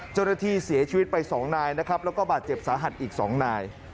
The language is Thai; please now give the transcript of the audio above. เจ้าหน้าที่เสียชีวิตไป๒นายนะครับแล้วก็บาดเจ็บสาหัสอีก๒นาย